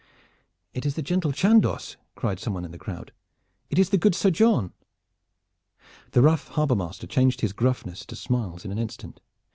"It is the gentle Chandos!" cried some one in the crowd. "It is the good Sir John." The rough harbor master changed his gruffness to smiles in an instant.